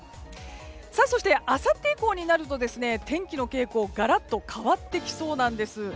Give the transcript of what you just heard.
そして、あさって以降になると天気の傾向はガラッと変わってきそうなんです。